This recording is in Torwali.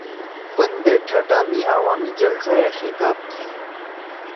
پندے ٹھٹہ می عوامی جلسہ ئے خطاب کی